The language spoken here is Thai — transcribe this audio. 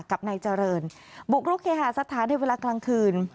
กับนายเจริญบุกรุกเคหาสถานในเวลากลางคืน